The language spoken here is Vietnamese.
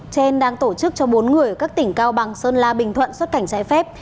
trên đang tổ chức cho bốn người ở các tỉnh cao bằng sơn la bình thuận xuất cảnh trái phép